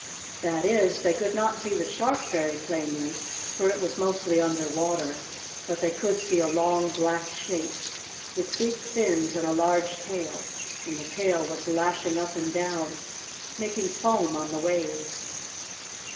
That is, they could not see the shark very plainly, for it was mostly under water, but they could see a long, black shape, with big fins and a large tail, and the tail was lashing up and down, making foam on the waves.